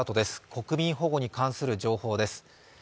国民保護に関する情報です。